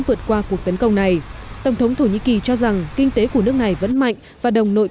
vượt qua cuộc tấn công này tổng thống thổ nhĩ kỳ cho rằng kinh tế của nước này vẫn mạnh và đồng nội